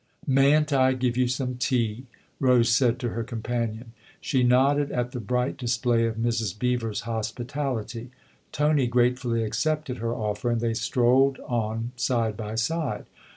" Mayn't I give you some tea ?" Rose said to her companion. She nodded at the bright display of Mrs. Beever's hospitality ; Tony gratefully accepted her offer and they strolled on side by side.